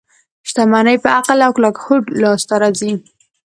شتمني په عقل او کلک هوډ لاس ته راځي.